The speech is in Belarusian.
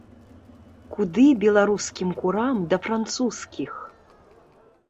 Куды беларускім курам да французскіх!